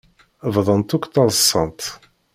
Bdant akk ttaḍsant.